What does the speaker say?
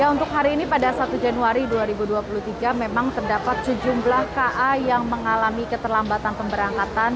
untuk hari ini pada satu januari dua ribu dua puluh tiga memang terdapat sejumlah ka yang mengalami keterlambatan pemberangkatan